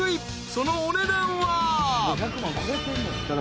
そのお値段は］